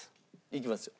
いきますよ？